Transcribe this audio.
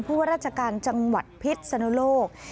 ว่าราชการจังหวัดพิษสนุโลก